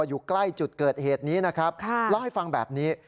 อยู่ใกล้จุดเกิดเหตุนี้นะครับเล่าให้ฟังแบบนี้